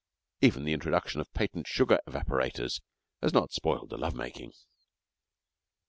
Even the introduction of patent sugar evaporators has not spoiled the love making.